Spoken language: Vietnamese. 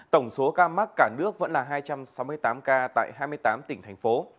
tổng số ca mắc cả nước vẫn là hai trăm sáu mươi tám ca tại hai mươi tám tỉnh thành phố